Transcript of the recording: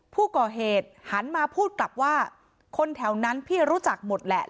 ผู้ก่อเหตุหันมาพูดกลับว่าคนแถวนั้นพี่รู้จักหมดแหละ